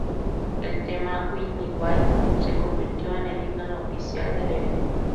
El tema「Wing my Way」se convirtió en el himno oficial del evento.